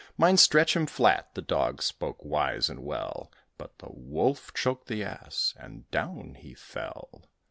Mind, stretch him flat." The Dog spoke wise and well. But the Wolf choked the Ass, and down he fell.